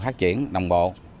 phát triển đồng bộ